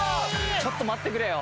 ・ちょっと待ってくれよ